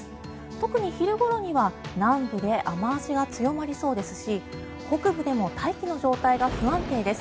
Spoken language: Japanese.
特に昼ごろには南部で雨脚が強まりそうですし北部でも大気の状態が不安定です。